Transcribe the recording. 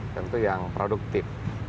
tentu yang produktif